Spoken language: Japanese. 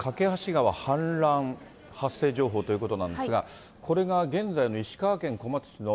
梯川反乱発生情報ということなんですが、これが現在の石川県小松市の。